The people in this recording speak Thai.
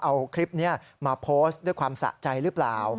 เอาคลิปนี้มาโพสต์ด้วยความสะใจหรือเปล่า